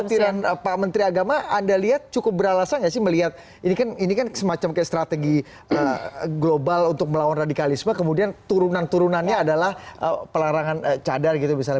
kekhawatiran pak menteri agama anda lihat cukup beralasan nggak sih melihat ini kan semacam kayak strategi global untuk melawan radikalisme kemudian turunan turunannya adalah pelarangan cadar gitu misalnya